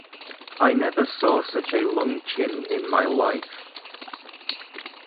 I never saw such a long chin in my life.